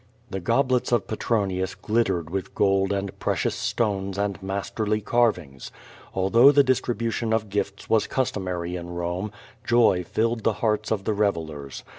The goblets of Petronius glittered with gold and precious stones and masterly carvings. Although the distribution of gifts was customary in Rome, joy filled the hearts of the revellers.